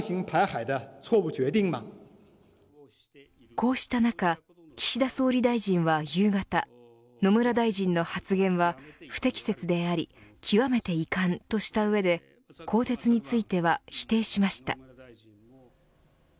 こうした中岸田総理大臣は夕方野村大臣の発言は不適切であり極めて遺憾、とした上で更迭については否定しました。